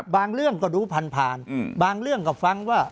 บางเรื่องก็ดูผ่านบางเรื่องก็ฟังว่า